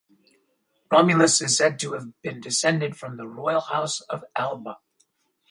Romulus is said to have been descended from the royal house of Alba.